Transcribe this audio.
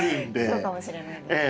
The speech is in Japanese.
そうかもしれない。